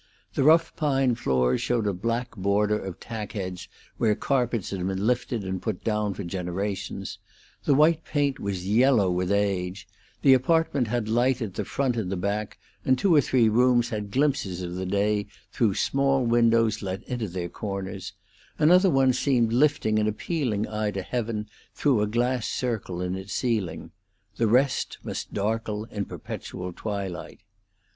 The rough pine floors showed a black border of tack heads where carpets had been lifted and put down for generations; the white paint was yellow with age; the apartment had light at the front and at the back, and two or three rooms had glimpses of the day through small windows let into their corners; another one seemed lifting an appealing eye to heaven through a glass circle in its ceiling; the rest must darkle in perpetual twilight.